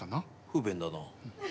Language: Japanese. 不便だな。